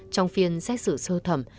trong phiên xét xử sơ thẩm